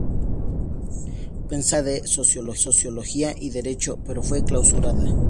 Pensaba abrir las de Sociología y Derecho, pero fue clausurada.